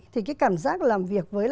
thì cái cảm giác làm việc với